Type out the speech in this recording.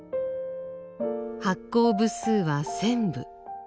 発行部数は１，０００部。